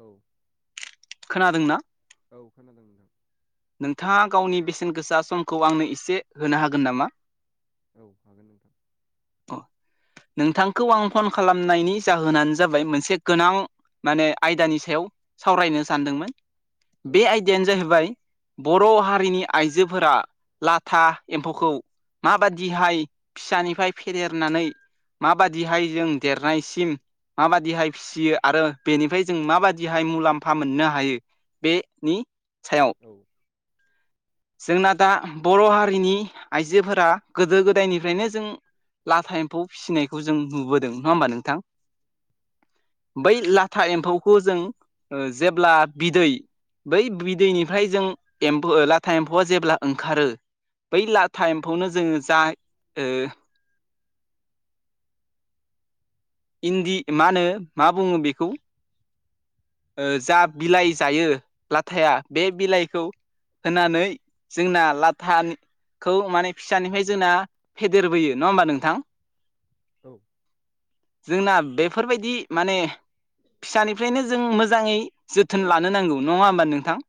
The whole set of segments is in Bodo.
औ खोनादोंना औ खोनादों नोंथां नोंथाङा गावनि बेसेन गोसा समखौ आंनो एसे होनो हागोन नामा? औ हागोन नोंथां अ नोंथांखौ आं फन खालामनायनि जाहोनानो जाबाय मोनसे गोनां माने आयदानि सायाव सावरायनो सानदोंमोन औ बे आयदायानो जाहैबाय बर' हारिनि आइजोफोरा लाथा एम्फौखौ माबादिहाय फिसानिफ्राय फेदेरनानै माबादिहाय जों देरनायसिम माबादिहाय फिसियो आरो बेनिफ्राय जों माबादिहाय मुलाम्फा मोननो हायो। बेनि सायाव औ औ जोंना दा बर' हारिनि आइजोफोरा गोदो गोदायनिफ्रायनो जों लाथा एम्फौ फिसिनायखौ जों नुबोदों नङा होमबा नोंथां बै लाथा एम्फौखौ जों ओ जेब्ला बिदै बै बिदैनिफ्राय जों एम्फो ला था एम्फौआ जेब्ला ओंखारो बै लाथा एम्फौनो जोङो जा ओ इन्दि मा होनो मा बुङो बिखौ ओ जा बिलाइ जायो लाथाया बे बिलाइखौ होनानै जोंना लाथानि खौ माने फिसानिफ्राय जोंना फेदेरबोयो नङा होमबा नोंथां औ जोंना बेफोरबायदि माने फिसानिफ्रायनो जों मोजाङै जोथोन लानो नांगौ नङा होमबा नोंथां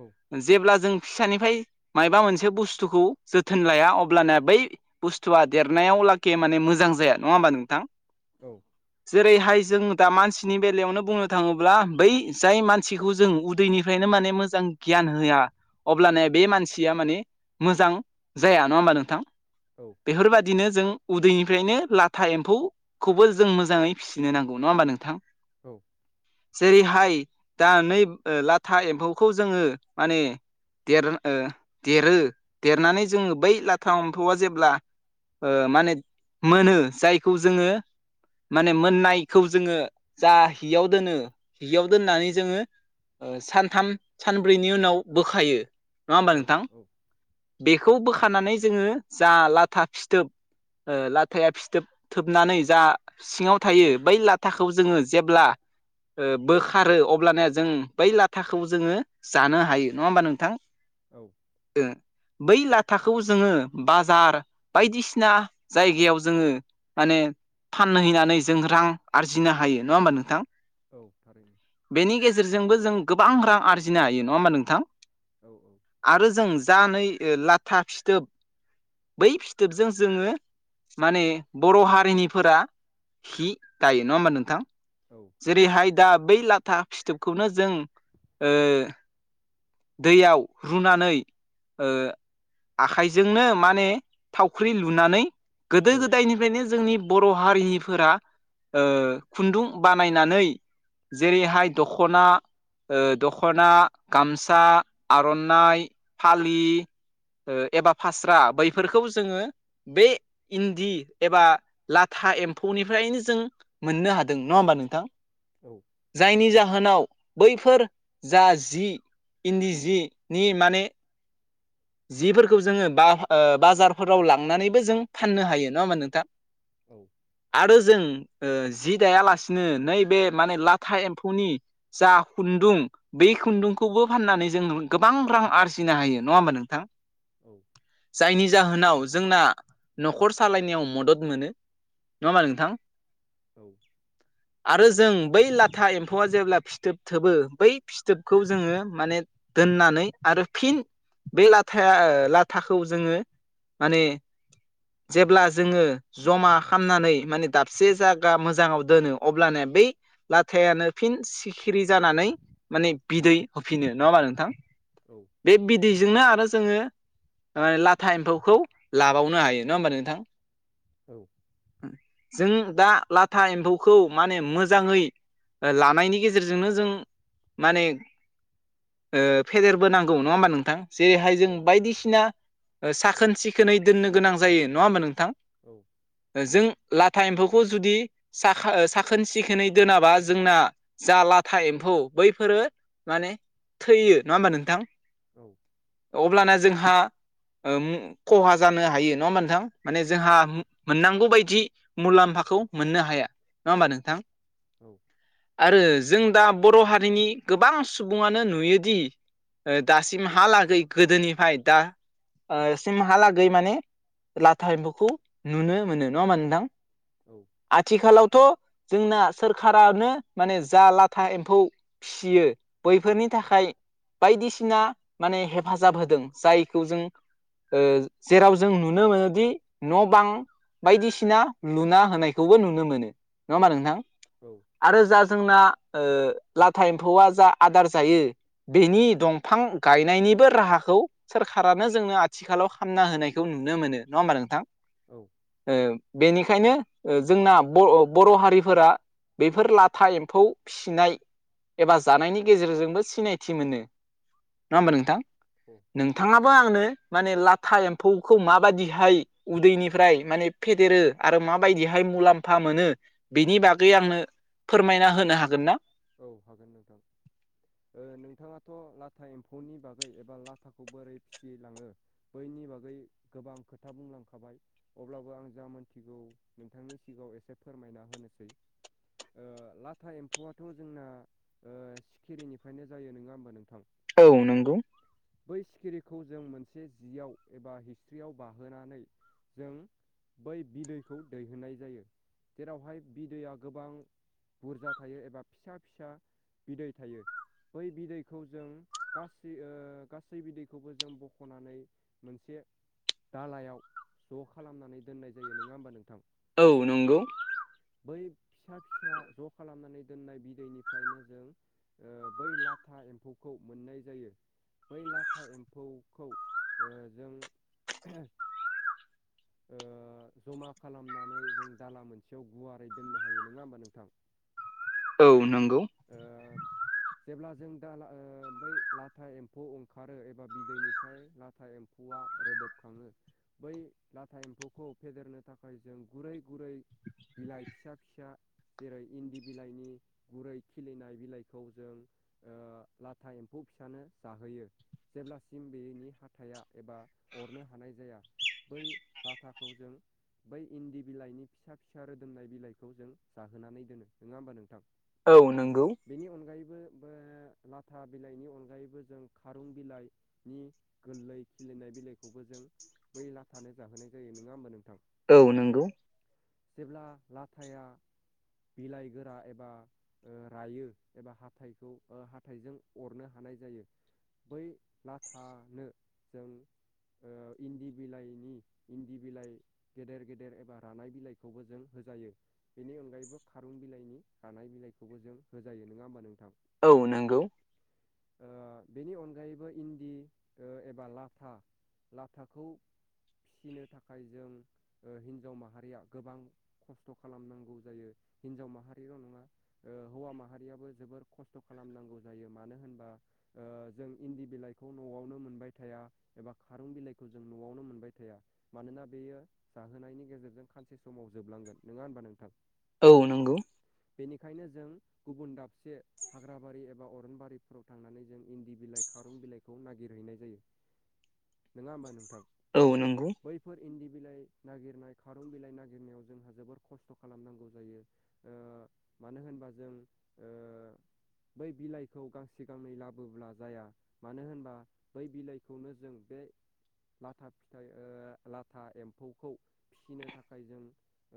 औ जेब्ला जों फिसानिफ्राय मायबा मोनसे बुस्थुखौ जोथोन लाया अब्लाना बै बुस्थुआ देरनायाव लागै माने मोजां जाया नङा होमबा नोंथां औ जेरैहाय जों दा मानसिनि बेलायावनो बुंनो थाङोब्ला बै जाय मानसिखौ जों उदैनिफ्रायनो माने मोजां गियान होआ अब्लानिया बे मानसिया माने मोजां जाया नङा होमबा नोंथां औ बेफोरबायदिनो जों उदैनिफ्रायनो लाथा एम्फौ खौबो जों मोजाङै फिसिनो नांगौ नङा होमबा नोंथां औ जेरैहाय दा नै ओ लाथा एम्फौखौ जोङो माने देर ओ देरो देरनानै जोङो बै लाथा एम्फौआ जेब्ला ओ माने मोनो जायखौ जोङो माने मोननायखौ जोङो जा हियाव दोनो हियाव दोननानै जोङो सानथाम सानब्रैनि उनाव बोखायो नङा होमबा औ नोंथां बेखौ बोखानानै जोङो जा लाथा फिथोब ओ लाथाया फिथोब थोबनानै जा सिङाव थायो बै लाथाखौ जोङो जेब्ला ओ बोखारो अब्लाना जों बै लाथाखौ जोङो जानो हायो नङा होमबा नोंथां। औ जों बै लाथाखौ जोङो बाजार बायदिसिना जायगायाव जोङो माने फानहैनानै जों रां आरजिनो हायो नङा होमबा नोंथां औ थारैनो बेनि गेजेरजोंबो जों गोबां रां आरजिनो हायो नङा होमबा नोंथां औ औ आरो जों जा नै लाथा फिथोब बै फिथोबजों जोङो माने बर' हारिनिफोरा हि दायो नङा होमबा नोंथां औ जेरैहाय दा बै लाथा फिथोबखौनो जों ओ दैयाव रुनानै ओ आखाइजोंनो माने थावख्रि लुनानै गोदो औ गोदायनिफ्रायनो जोंनि बर' हारिनिफोरा ओ खुनदुं बा नायनानै जेरैहाय दख'ना ओ दख'ना गामसा आर'नाइ फालि ओ एबा फास्रा बैफोरखौ जोङो बे इनदि एबा लाथा एमफौनिफ्रायनो जों मोननो हादों नङा होमबा नोंथां औ जायनि जाहोनाव बैफोर जा जि इन्दि जिनि माने जिफोरखौ जोङो बा बाजारफोराव लांनानैबो जों फाननो हायो नङा होमबा नोंथां औ आरो जों ओ जि दायालासिनो नैबे माने लाथा एमफौनि जा खुनदुं बै खुनदुंखौबो फाननानै जों गोबां रां आरजिनो हायो नङा होमबा नों थां औ जायनि जाहोनाव जोंना न'खर सालायनायाव मदद मोनो नङा होमबा नोंथां? औ आरो जों बै लाथा एमफौया जेब्ला फिथोब थोबो बै फिथोबखौ जोङो माने दोननानै आरो फिन बे लाथाया लाथाखौ जोङो माने जेब्ला जोङो जमा खालामनानै माने दाबसे जायगा मोजाङाव दोनो अब्लानो बै लाथायानो फिन सिखिरि जानानै माने बिदै होफिनो नङा होमबा नोंथां औ बे बिदैजोंनो आरो जोङो माहोनो लाथा एमफौखौ लाबावनो हायो नङा होमबा नोंथां? औ जों दा लाथा एमफौखौ माने मोजाङै लानायनि गेजेरजोंनो जों माने फेदेर बोनांगौ नङा होनबा नों जेरैहाय जों बायदिसिना साखोन सिखोनै दोननो गोनां जायो नङा होमबा नोंथां? औ जों लाथा एमफौखौ जुदि साखा साखोन सिखोनै दोनाबा जोंना जा लाथा एमफौ बैफोरो माने थैयो नङा होमबा नोंथां औ अब्लाना जोंहा ओम खहा जानो हायो नङा होमा नोंथां माने जोंहा मोननांगौ बायदि मुलामफाखौ मोननो हाया नङा होमबा नोंथां औ आरो जों दा बर' हारिनि गोबां सुबुङानो नुयोदि दासिमहालागै गोदोनिफ्राय दा सिमहालागै माने लाथा एम्फौखौ नुनो मोनो नङा होमबा नोंथां औ आथिखालावथ' जोंना सोरखारानो माने जा लाथा एम्फौ फियो बैफोरनि थाखाय बायदिसिना माने हेफाजाब होदों जायखौ जों जेराव जों नुनो मोनोदि न' बां बायदिसिना लुना होनायखौबो नुनो मोनो नङा ओमबा नोंथां? औ आरो जा जोंना लाथा एम्फौआ जा आदार जायो बेनि दंफां गायनायनिबो राहाखौ सोरखारानो जोंनो आथिखालाव खामना होनायखौ नुनो मोनो नङा होमबा नोंथां? औ बेनिखायनो जोंना बर बर' हारिफोरा बफोर लाथा एम्फौ फिसिनाय एबा जानायनि गेजेरजोंबो सिनायथि मोनो। नङा होमबा नोंथां नोंथाङाबो आंनो माने लाथा एम्फौखौ माबायदिहाय उदैनिफ्राय माने फेदेरो आरो माबायदिहाय मुलाम्फा मोनो। बिनि बागै आंनो फोरमायना होनो हागोन ना? औ हागोन नोंथां। नोंथाङाथ' लाथा एम्फौनि बागै एबा लाथाखौ बोरै फिसिलाङो बैनि बागै गोबां खोथा बुंलांखाबाय अब्लाबो आं जा मोनथिगौ नोंथांनि सिगाङाव एसे फोरमायना होनोसै लाथा एम्फौवा थ' जोंना सिखिरिनिफ्रायनो जायो नोङा होमबा नोंथां औ नंगौ बै सिखिरिखौ जों मोनसे जियाव एबा हिसरियाव बाहोनानै जों बै बिदैखौ दैहोनाय जायो जेरावहाय बिदैआ गोबां बुरजा थायो एबा फिसा फिसा बिदै थायो बै बिदैखौ जों गासै गासै बिदैखौबो जों बख'नानै मोनसे दालायाव ज' खालामनानै दोननाय जायो नङा होमबा नोंथां औ नंगौ बै फिसा फिसा ज' खालामनानै दोननाय बिदैनिफ्रायनो जों बै लाथा एम्फौखौ मोननाय जायो बै लाथा एम्फौखौ जों ओ जमा खालामनानै जों दाला मोनसेयाव गुवारै दोननो हायो नङा होमबा नोंथां औ नंगौ ओ जेब्ला जों दा बै लाथा एम्फौ ओंखारो एबा बिदैनिफ्राय लाथा था एम्फौआ रोदोबखाङो बै लाथा एम्फौखौ फेदेरनो थाखाय जों गुरै गुरै बिलाइ फिसा फिसा जेरै इन्दि बिलाइनि गुरै खिलिनाय बिलाइखौ जों लाथा एम्फौ फिसानो जाहोयो। जेब्लासिम बेनि हाथाइया एबा अरनो हानाय जाया बै लाथाखौ जों बै इन्दि बिलाइनि फिसा फिसा रोदोमनाय बिलाइखौ जों जाहोनानै दोनो नङा होमबा नोंथां औ नंगौ बेनि अनगायैबो लाथा बिलाइनि अनगायैबो जों खारुं बिलाइ नि गोरलै खिलिनाय बिलाइखौबो जों बै लाथानो जाहोनाय जायो नङा होमबा नोंथां औ नंगौ जेब्ला लाथाया बिलाइ गोरा एबा ओ रायो एबा हाथाइखौ हाथाइजों अरनो हानाय जायो। बै लाथानो जों ओ इन्दि बिलाइनि इन्दि बिलाइ गेदेर गेदेर एबा रानाय बिलाइखौबो जों होजायो बेनि अनगायैबो खारुन बिलाइनि रानाय बिलाइखौबो जों होजायो नङा होमबा नोंथां औ नोंगौ ओ बेनि अनगायैबो इन्दि ओ एबा लाथा लाथाखौ फिनो थाखाय जों ओ हिन्जाव माहारिया गोबां खस्थ' खालामनांगौ जायो हिन्जाव माहारिल' नङा हौवा माहारियाबो जोबोर खस्थ' खालामनांगौ जायो मानो होनबा जों इन्दि बिलाइखौ न'आवनो मोनबाय थाया एबा खारं बिलाइखौ जों न'आवनो मोनबाय थाया थाया मानोना बेयो जाहोनायनि गेजेरजों खानसे समाव जोबलांगोन नङा होनबा नोंथां औ नंगौ बेनिखायनो जों गुबुन दाबसे हाग्राबारि एबा अरनबारिफोराव थांनानै जों इन्दि बिलाइ खारुं बिलाइखौ नागिरहैनाय जायो। नोङा होमबा नोंथां औ नोंगौ बैफोर इन्दि बिलाइ नागिरनाय खारं बिलाइ नागिरनायाव जोंहा जोबोर खस्थ' खालामनांगौ जायो। ओ मानो होनबा जों ओ बै बिलाइखौ गांसे गांनै लाबोब्ला जाया। मानो होनबा बै बिलाइखौनो जों बे लाथा थाखाय ओ लाथा एम्फौखौ फिनो थाखाय जों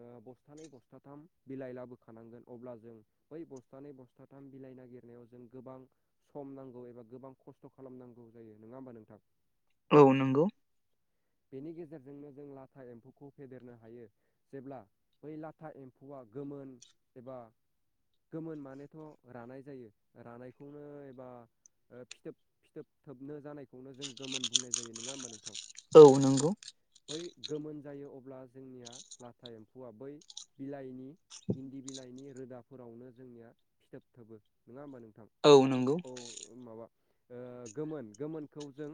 ओ बस्थानै बस्थाथाम बिलाइ लाबोखानांगोन अब्ला जों बै बस्थानै बस्थाथाम बिलाइ नागिरनायाव जों गोबां सम नांगौ एबा गोबां खस्थ' खालामनांगौ जायो नङा होमबा नोंथां औ नोंगौ बेनि गेजेरजोंनो जों लाथा एम्फौखौ फेदेरनो हायो। जेब्ला बै लाथा एम्फौआ गोमोन एबा गोमोन मानेथ' रानाय जायो रानायखौनो एबा ओ फिथोब फिथोब थोबनो जानायखौनो जों गोमोन बुंनाय जायो नङा होमबा नोंथां औ नोंगौ बै गोमोन जायो अब्ला जोंनिया लाथा एम्फौआ बै बिलाइनि इन्दि बिलाइनि रोदाफोरावनो जोंनिया फिथोब थोबो नोङा होमबा नोंथां औ नोंगौ औ माबा ओ गोमोन गोमोनखौ जों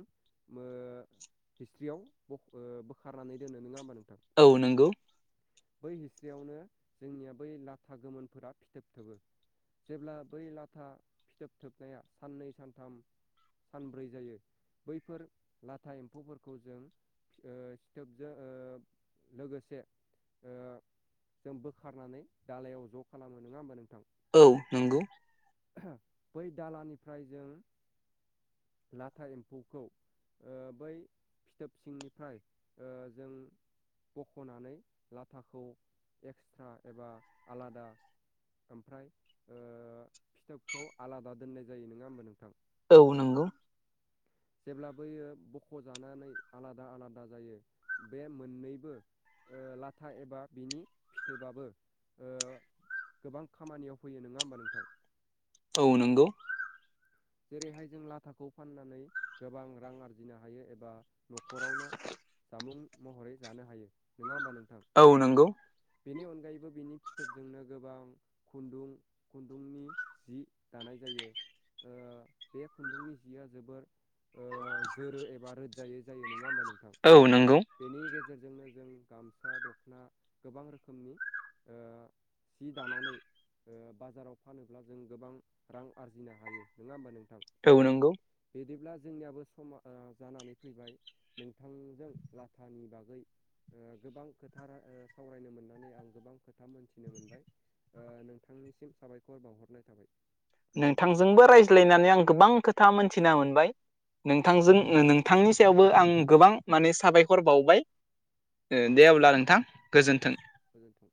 ओ हिस्ट्रियाव ओ बोखारनानै दोनो नोंङा होमबा नोंथां औ नोंगौ बै हिसट्रियावनो जोंनिया बै लाथा गोमोनफोरा फिथोब थोबो जेब्ला बै लाथा फिथोब थोबनाया साननै सानथाम सानब्रै जायो बैफोर लाथा एम्फौफोरखौ खौ जों सिथोबजों ओ लोगोसे ओ जों बोखारनानै दालायाव ज' खालामो नोङा होमबा नोंथां औ नोंगौ बै दालानिफ्राय जों लाथा एम्फौखौ ओ बै फिथोब सिंनिफ्राय ओ जों बखनानै लाथाखौ एक्सट्रा एबा आलादा ओमफ्राय फिथोबखौ आलादा दोननाय जायो नङा होमबा नोंथां औ नंगौ जेब्ला बैयो बख'जानानै आलादा आलादा जायो बे मोननैबो लाथा एबा बिनि फिथोबाबो गोबां खामानियाव फैयो नङा होमबा नोंथां औ नंगौ जेरैहाय जों लाथाखौ फाननानै गोबां रां आरजिनो हायो एबा न'खरावनो जामुं महरै जानो हायो नङा होमबा नोंथां औ नंगौ बेनि अनगायैबो बिनि फिथोबजोंनो गोबां खुन्दुं खुन्दुंनि जि दानाय जायो ओ बे खुन्दुंनि जिया जोबोर जोरो एबा रोजायै जायो नङा होमबा नोंथां औ नंगौ बेनि गेजेरजोंनो जों गामसा दख'ना गोबां रोखोमनि सि दानानै बाजाराव फानोब्ला जों गोबां रां आरजिनो हायो नङा होमबा नोंथां औ नंगौ बिदिब्ला जोंनियाबो सम जानानै फैबाय नोंथांजों लाथानि बागै गोबां खोथा सावरायनो मोननानै आं गोबां खोथा मोनथिनो मोनबाय नोंथांनिसिम साबायखर बावहरनाय थाबाय गोजोन्थों नोंथां नोंथांजोंबो रायज्लायनानै आं गोबां खोथा मोनथिना मोनबाय नोंथांजों नोंथांनि सायावबो आं गोबां माने साबायखर बावबाय दे अब्ला नोंथां औ गोजोन्थों गोजोन्थों